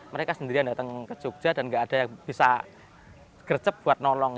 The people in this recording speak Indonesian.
mereka sendirian datang ke jogja dan nggak ada yang bisa gercep buat nolong